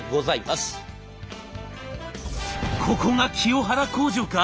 「ここが清原工場か。